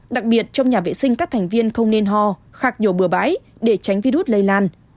đặc biệt trong nhà vệ sinh các thành viên không nên ho khạc nhổ bừa bãi để tránh virus lây lan